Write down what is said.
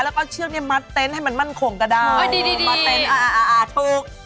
แล้วก็เอาเชือกนี้มัดเต็นต์ให้มันมั่นขงก็ได้ถูก